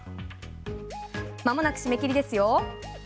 まもなく締め切りですよ。